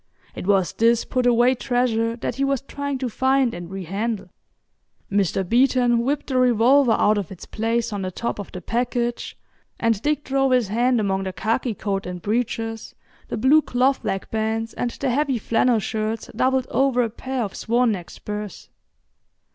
It was this put away treasure that he was trying to find and rehandle. Mr. Beeton whipped the revolver out of its place on the top of the package, and Dick drove his hand among the khaki coat and breeches, the blue cloth leg bands, and the heavy flannel shirts doubled over a pair of swan neck spurs.